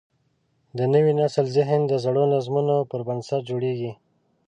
د نوي نسل ذهن د زړو نظمونو پر بنسټ جوړېږي.